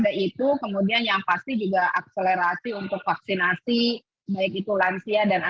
dari di banda amara terbang juga di young dojo